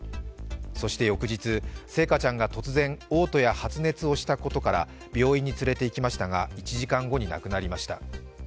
そして翌日、星華ちゃんが突然おう吐や発熱をしたことから病院に連れていきましたが１時間後に亡くなりました。